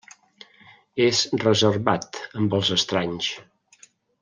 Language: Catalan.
És reservat amb els estranys.